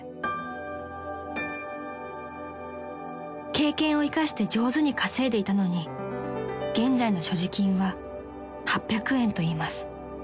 ［経験を生かして上手に稼いでいたのに現在の所持金は８００円といいます］